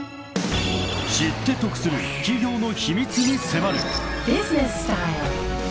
［知って得する企業の秘密に迫る］